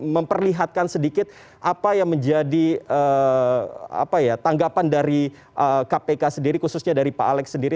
memperlihatkan sedikit apa yang menjadi tanggapan dari kpk sendiri khususnya dari pak alex sendiri